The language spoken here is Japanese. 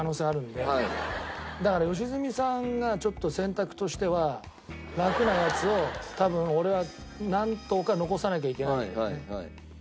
だから良純さんがちょっと選択としてはラクなやつを多分俺は何頭か残さなきゃいけないんだよね。